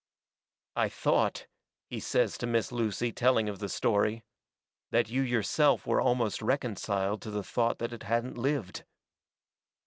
"I thought," he says to Miss Lucy, telling of the story, "that you yourself were almost reconciled to the thought that it hadn't lived."